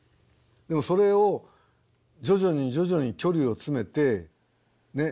でもそれを徐々に徐々に距離を詰めてね？